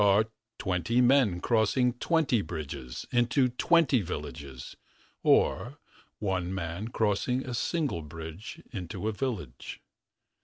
Are twenty men crossing twenty bridges. 41 Into twenty villages. Or one man Crossing a single bridge into a village.